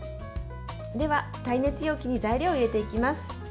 では、耐熱容器に材料を入れていきます。